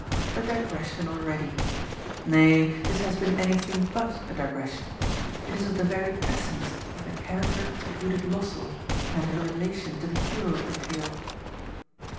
A digression already i Kay, this has been anything but STBPMOTHERa 67 a digression — ^it is of the very essence of the character of Judith Lossell and her relation to the hero at the tale.